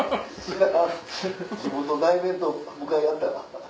自分の内面と向かい合ったら？